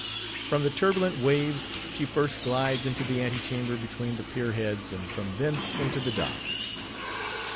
From the turbulent waves, she first glides into the ante chamber between the pier heads and from thence into the docks.